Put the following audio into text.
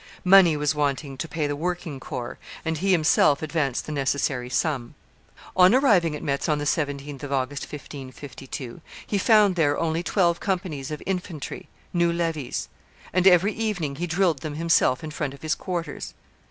Money was wanting to pay the working corps; and he himself advanced the necessary sum. On arriving at Metz on the 17th of August, 1552, he found there only twelve companies of infantry, new levies; and every evening he drilled them himself in front of his quarters.